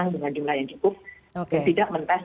dengan jumlah yang cukup tidak mentah